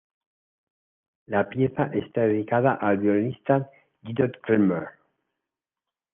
La pieza está dedicada al violinista Gidon Kremer.